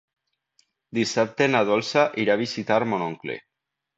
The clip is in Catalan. Dissabte na Dolça irà a visitar mon oncle.